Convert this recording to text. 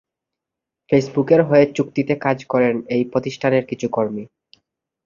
ফেসবুকের হয়ে চুক্তিতে কাজ করেন এই প্রতিষ্ঠানের কিছু কর্মী।